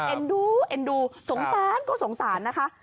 เอนดูสงสารนะคะ